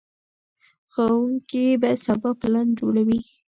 ښوونکي به سبا پلان جوړوي.